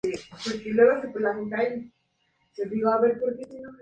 Su carrera criminal estuvo salpicada de tragedias, juicios y periodos de encarcelamiento.